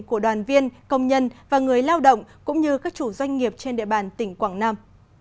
của đoàn viên công nhân và người lao động cũng như các chủ doanh nghiệp trên địa bàn tỉnh quảng nam